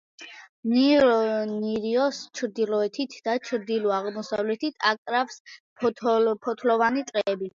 ნორიოს ჩრდილოეთით და ჩრდილო-აღმოსავლეთით აკრავს ფოთლოვანი ტყეები.